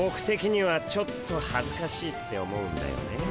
てきにはちょっとはずかしいって思うんだよね。